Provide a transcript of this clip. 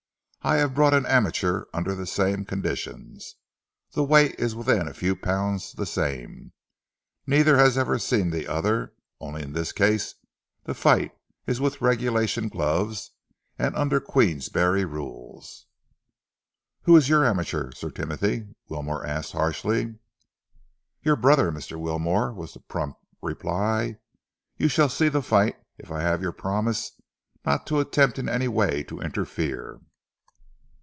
I have brought an amateur under the same conditions. The weight is within a few pounds the same, neither has ever seen the other, only in this case the fight is with regulation gloves and under Queensberry rules." "Who is your amateur, Sir Timothy?" Wilmore asked harshly. "Your brother, Mr. Wilmore," was the prompt reply. "You shall see the fight if I have your promise not to attempt in any way to interfere."